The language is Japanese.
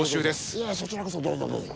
いやそちらこそどうぞどうぞ。